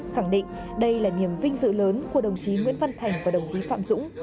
khẳng định đây là niềm vinh dự lớn của đồng chí nguyễn văn thành và đồng chí phạm dũng